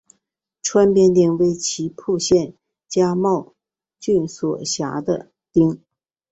川边町为岐阜县加茂郡所辖的町。